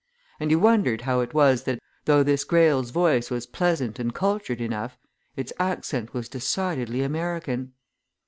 And he wondered how it was that though this Greyle's voice was pleasant and cultured enough, its accent was decidedly American.